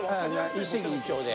一石二鳥で。